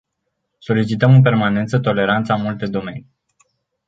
Solicităm în permanență toleranță în multe domenii.